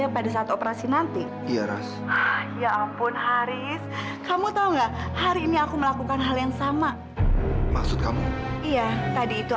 papa tahu posisi kalian serba salah